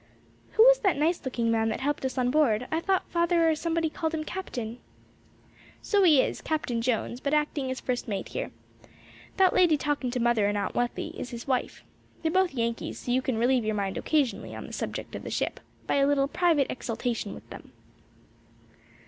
"Who was that nice looking man that helped us on board? I thought father or somebody called him captain." "So he is, Captain Jones; but acting as first mate here. That lady, talking to mother and Aunt Wealthy, is his wife. They're both Yankees; so you can relieve your mind occasionally on the subject of the ship, by a little private exultation with them.